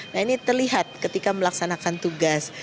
nah ini terlihat ketika melaksanakan tugas